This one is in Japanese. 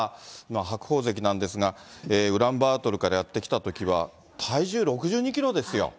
白鵬関なんですが、ウランバートルからやって来たときは、体重６２キロですよ。